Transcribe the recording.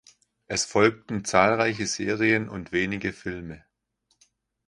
Es folgten zahlreiche Serien und wenige Filme.